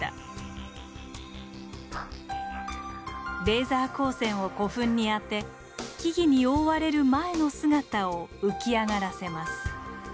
レーザー光線を古墳に当て木々に覆われる前の姿を浮き上がらせます。